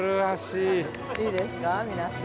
◆いいですか、皆さん。